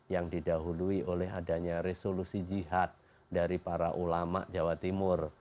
yang didahului oleh adanya resolusi jihad dari para ulama jawa timur